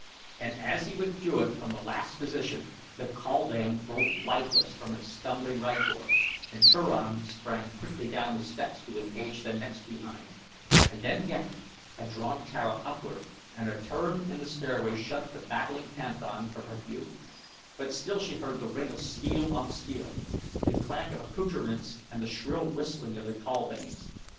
And as he withdrew it from the last position the kaldane rolled lifeless from its stumbling rykor and Turan sprang quickly down the steps to engage the next behind, and then Ghek had drawn Tara upward and a turn in the stairway shut the battling panthan from her view; but still she heard the ring of steel on steel, the clank of accouterments and the shrill whistling of the kaldanes.